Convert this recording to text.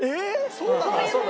そうなの？